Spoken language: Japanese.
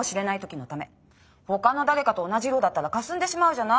ほかの誰かと同じ色だったらかすんでしまうじゃない。